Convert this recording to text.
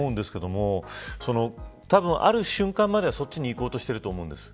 ある瞬間まではそちらに行こうとしていると思うんです。